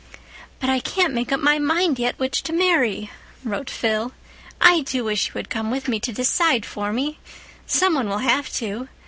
"But I can't make up my mind yet which to marry," wrote Phil. "I do wish you had come with me to decide for me. Some one will have to.